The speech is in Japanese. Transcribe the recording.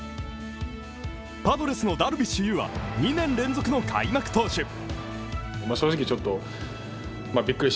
パドレスのダルビッシュ有は２年連続の開幕投手。